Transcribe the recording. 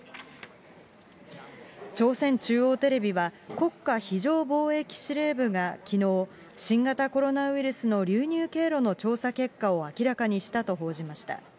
朝鮮中央テレビは、国家非常防疫司令部がきのう、新型コロナウイルスの流入経路の調査結果を明らかにしたと報じました。